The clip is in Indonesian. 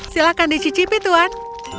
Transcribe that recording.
silakan dicicipi tuan